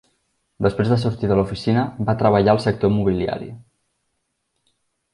Després de sortir de l"oficina, va treballar al sector mobiliari.